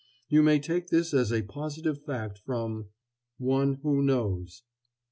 You may take this as a positive fact from "ONE WHO KNOWS."